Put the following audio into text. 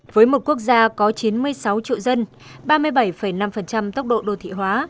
với một quốc gia có chín mươi sáu triệu dân ba mươi bảy năm tốc độ đô thị hóa